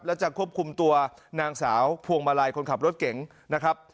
และจะควบคุมตัวนางสาวพวงมาลัยคนขับรถเก๋งนะครับ